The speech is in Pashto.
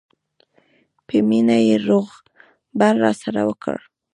په مینه یې روغبړ راسره وکړ.